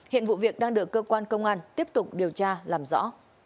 hiện vụ việc đang được cơ quan công an tiếp tục điều tra làm rõ